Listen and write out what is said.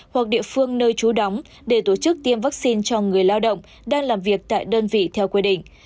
hoặc địa phương nơi trú đóng để tổ chức tiêm vaccine cho người lao động đang làm việc tại đơn vị theo quy định